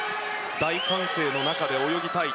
大歓声の中で泳ぎたい。